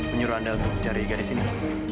menyuruh anda untuk mencari garis ini